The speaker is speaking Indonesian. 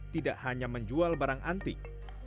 tidak hanya menjual barang antik